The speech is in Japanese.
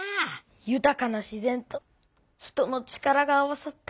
ゆたかな自然と人の力が合わさった